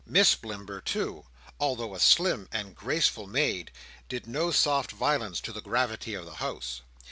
Miss Blimber, too, although a slim and graceful maid, did no soft violence to the gravity of the house.